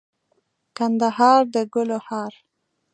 کندهار دګلو هار